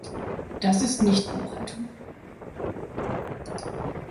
Das ist nicht Buchhaltung.